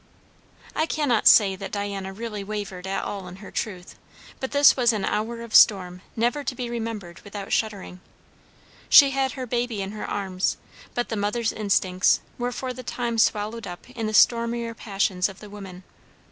I cannot say that Diana really wavered at all in her truth; but this was an hour of storm never to be remembered without shuddering. She had her baby in her arms, but the mother's instincts were for the time swallowed up in the stormier passions of the woman.